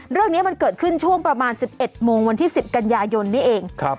เรื่องนี้มันเกิดขึ้นช่วงประมาณ๑๑โมงวันที่๑๐กันยายนนี่เอง